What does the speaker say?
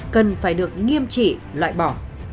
cần phải được nghiêm chỉ loại bỏ